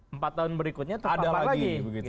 empat tahun berikutnya terpapar lagi